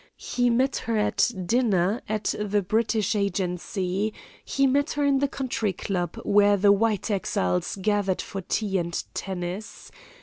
He met her at dinner, at the British agency; he met her in the country club, where the white exiles gathered for tea and tennis.